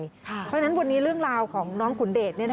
เพราะฉะนั้นวันนี้เรื่องราวของน้องขุนเดช